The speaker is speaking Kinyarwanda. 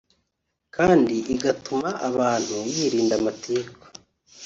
kandi igatuma abantu yirinda amatiku